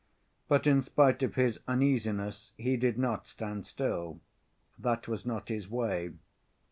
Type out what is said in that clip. But in spite of his uneasiness he did not stand still. That was not his way.